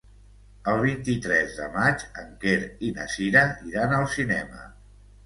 El vint-i-tres de maig en Quer i na Cira iran al cinema.